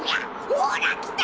ほらきた！